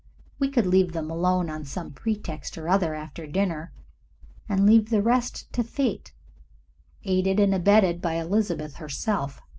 We could leave them alone on some pretext or other after dinner, and leave the rest to fate aided and abetted by Elizabeth herself.